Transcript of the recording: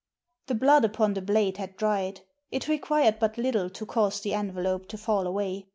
The blood upon the blade had dried. It required but little to cause the envelope to fall away.